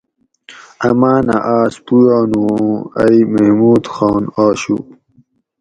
امانہ آۤس پویانو اوں ائی محمود خان آشو